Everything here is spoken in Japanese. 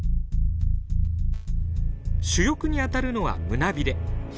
主翼に当たるのは胸びれ。